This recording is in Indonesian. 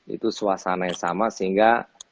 itu suasana yang sama sehingga